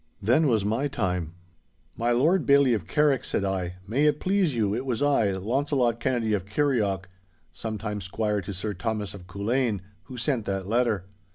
Then was my time. 'My Lord Bailzie of Carrick,' said I, 'may it please you it was I, Launcelot Kennedy of Kirrieoch, some time squire to Sir Thomas of Culzean, who sent that letter.